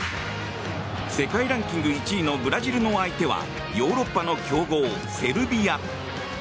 世界ランキング１位のブラジルの相手はヨーロッパの強豪セルビア。